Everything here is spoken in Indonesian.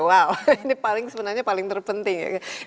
wow ini sebenarnya paling terpenting ya